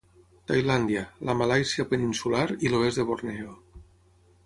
Tailàndia, la Malàisia peninsular i l'oest de Borneo.